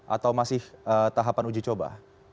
atau masih tahapan uji coba